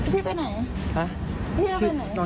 โตสานไหลคะ